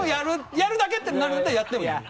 やるだけってなるんだったらやってもいい。